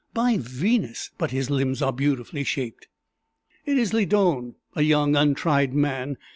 By Venus! but his limbs are beautifully shaped!" "It is Lydon, a young untried man!